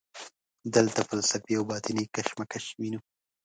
دلته فلسفي او باطني کشمکش وینو.